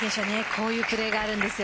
こういうプレーがあるんです。